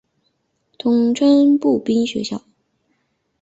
通称步兵学校。